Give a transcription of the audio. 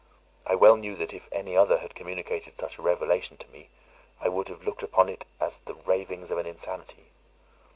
I well knew that if any other had communicated such a relation to me, I should have looked upon it as the ravings of insanity.